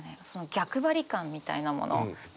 逆張り感みたいなもの三島の。